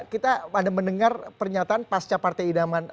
kita ada mendengar pernyataan pasca partai idaman